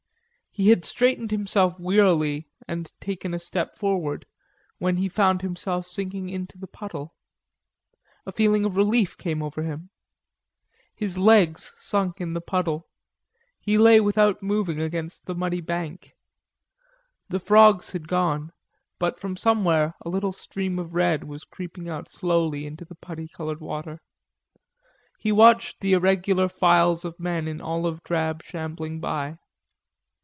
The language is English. He had straightened himself wearily and taken a step forward, when he found himself sinking into the puddle. A feeling of relief came over him. His legs sunk in the puddle; he lay without moving against the muddy bank. The frogs had gone, but from somewhere a little stream of red was creeping out slowly into the putty colored water. He watched the irregular files of men in olive drab shambling by.